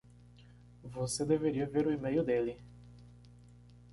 Você deveria ver o email dele!